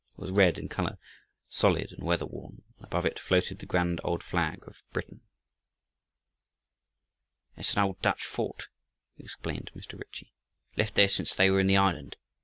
It was red in color, solid and weather worn, and above it floated the grand old flag of Britain. "That's an old Dutch fort," explained Mr. Ritchie, "left there since they were in the island.